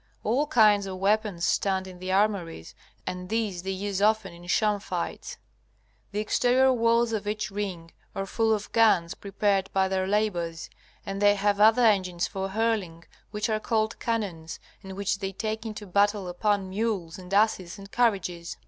All kinds of weapons stand in the armories, and these they use often in sham fights. The exterior walls of each ring are full of guns prepared by their labors, and they have other engines for hurling which are called cannons, and which they take into battle upon mules and asses and carriages.